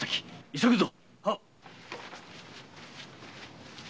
急ぐぞ。